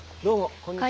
こんにちは。